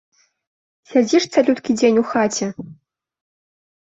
Сядзіш цалюткі дзень у хаце.